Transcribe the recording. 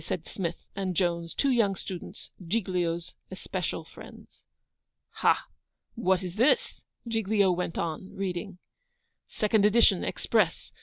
said Smith and Jones, two young students, Giglio's especial friends. 'Ha! what is this?' Giglio went on, reading 'SECOND EDITION, EXPRESS.